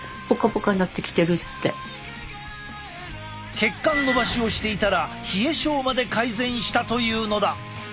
血管のばしをしていたら冷え症まで改善したというのだ！